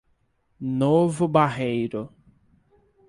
Novo Barreiro